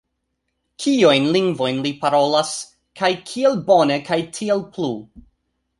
Kiujn lingvojn li parolas kaj kiel bone kaj tiel plu